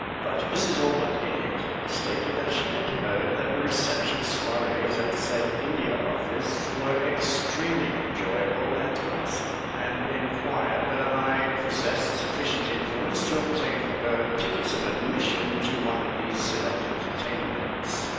But Mrs ALLBUTT INNETT stated that she had heard that the reception soirées at said India Office were extremely enjoyable and classy, and inquired whether I possessed sufficient influence to obtain for her tickets of admission to one of these select entertainments.